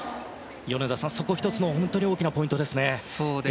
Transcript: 米田さん、そこが１つの大きなポイントですね。